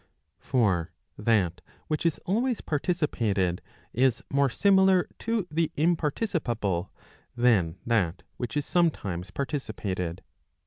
For that which is always participated, is more similar to the imparti¬ cipable than that which is sometimes participated.